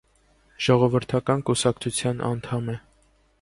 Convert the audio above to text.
Ժողովրդական կուսակցության անդամ է։